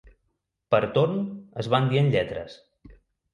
Per torn, es van dient lletres.